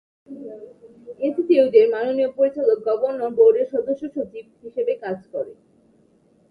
ইনস্টিটিউটের মাননীয় পরিচালক গভর্নর বোর্ডের সদস্য-সচিব হিসাবে কাজ করে।